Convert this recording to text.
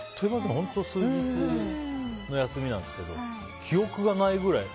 本当に数日の休みなんですけど記憶がないくらい。